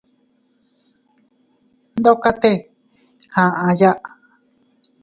Ndokote aʼya.